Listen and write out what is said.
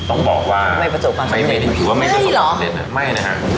อุ้ยเราไม่เอาก่อนเลย